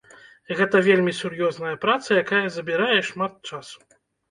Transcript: Гэта вельмі сур'ёзная праца, якая забірае шмат часу.